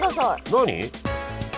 何？